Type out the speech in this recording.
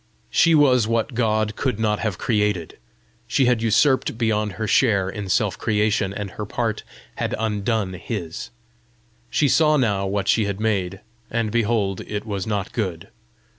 She was what God could not have created. She had usurped beyond her share in self creation, and her part had undone His! She saw now what she had made, and behold, it was not good!